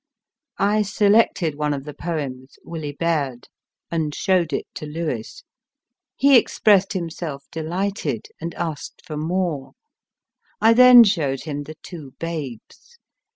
I selected one of the poems, Willie Baird/ and showed it to Lewes. He expressed himself delighted., ROBERT BUCHANAN 291 and asked for more. I then showed him the Two Babes.